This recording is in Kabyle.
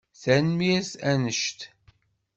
Tanemmirt annect!